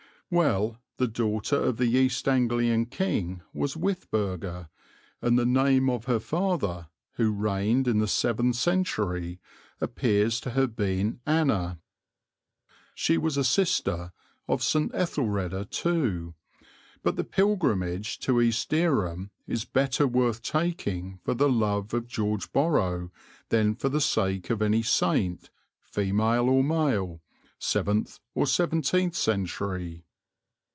Well, the daughter of the East Anglian king was Withburga, and the name of her father, who reigned in the seventh century, appears to have been Anna. She was a sister of St. Ethelreda too. But the pilgrimage to East Dereham is better worth taking for the love of George Borrow than for the sake of any saint, female or male, seventh or seventeenth century.